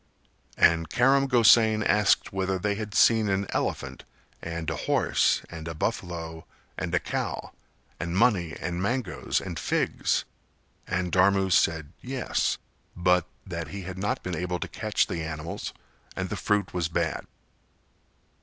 And Karam Gosain asked whether they had seen an elephant and a horse and a buffalo and a cow and money and mangoes and figs and Dharmu said "Yes," but that he had not been able to catch the animals and the fruit was bad.